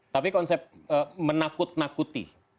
tapi konsep menakut nakuti